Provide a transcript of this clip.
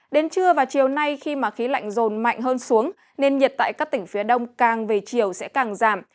đến trưa và chiều nay khi mà khí lạnh rồn mạnh hơn xuống nền nhiệt tại các tỉnh phía đông càng về chiều sẽ càng giảm